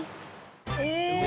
え！